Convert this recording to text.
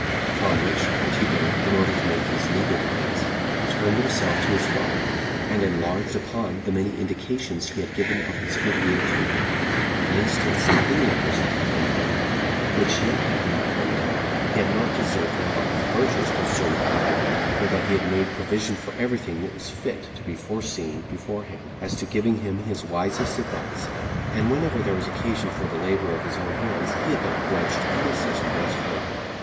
Upon which Antipater, in order to make his legal defense, turned himself to his father, and enlarged upon the many indications he had given of his good will to him; and instanced in the honors that had been done him, which yet had not been done, had he not deserved them by his virtuous concern about him; for that he had made provision for every thing that was fit to be foreseen beforehand, as to giving him his wisest advice; and whenever there was occasion for the labor of his own hands, he had not grudged any such pains for him.